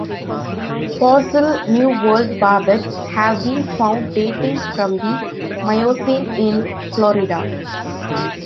Fossil New World barbets have been found dating from the Miocene in Florida.